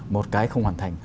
một cái không hoàn thành